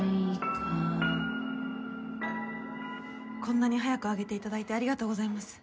こんなに早く上げて頂いてありがとうございます。